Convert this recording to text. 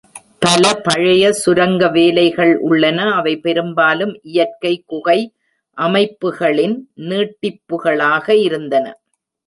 பல பழைய சுரங்க வேலைகள் உள்ளன, அவை பெரும்பாலும் இயற்கை குகை அமைப்புகளின் நீட்டிப்புகளாக இருந்தன.